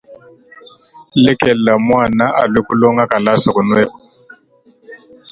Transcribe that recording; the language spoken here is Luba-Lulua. Lekela muana alue kulonga kalasa kunueku.